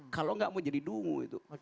kalau nggak mau jadi dungu itu